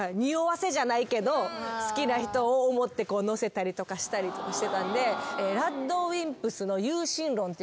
好きな人を思って載せたりとかしたりしてたんで。